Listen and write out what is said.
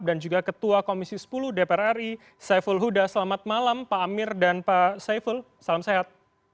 juga ketua komisi sepuluh dpr ri saiful huda selamat malam pak amir dan pak saiful salam sehat